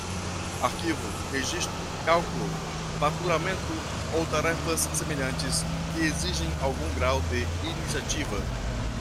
Arquivo, registro, cálculo, faturamento ou tarefas semelhantes que exigem algum grau de iniciativa.